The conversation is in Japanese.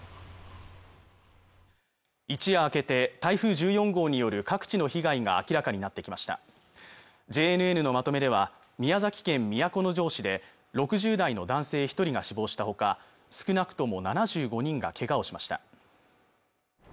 一夜明けて台風１４号による各地の被害が明らかになってきましたＪＮＮのまとめでは宮崎県都城市で６０代の男性一人が死亡したほか少なくとも７５人がけがをしました